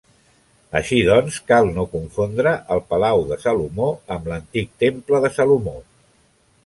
Així doncs, cal no confondre el palau de Salomó amb l’antic temple de Salomó.